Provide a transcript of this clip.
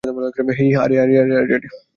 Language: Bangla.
হেই, আরে, আরে, আরে!